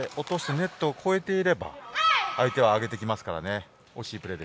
ネットを越えていれば相手は上げてきますからね。